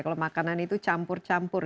kalau makanan itu campur campur